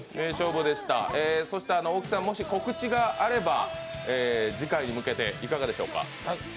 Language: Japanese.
大木さん、もし告知があれば、次回に向けていかがでしょうか？